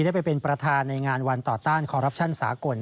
ได้ไปเป็นประธานในงานวันต่อต้านคอรัปชั่นสากล